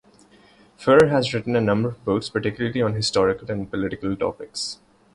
Furre has written a number of books, particularly on historical and political topics.